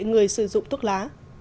người sử dụng thuốc lá